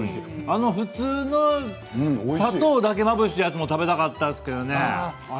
普通の砂糖だけまぶしたやつも食べたかったですけどね。